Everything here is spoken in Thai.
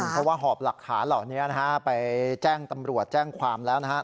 เพราะว่าหอบหลักฐานเหล่านี้นะฮะไปแจ้งตำรวจแจ้งความแล้วนะครับ